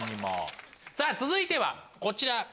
さぁ続いてはこちら。